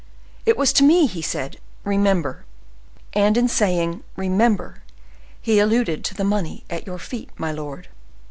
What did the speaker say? it was to me he said, 'REMEMBER!' and in saying, 'Remember!' he alluded to the money at your feet, my lord."